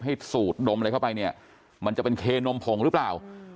สูดนมอะไรเข้าไปเนี่ยมันจะเป็นเคนมผงหรือเปล่า